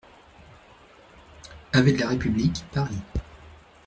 AV DE LA REPUBLIQUE, Paris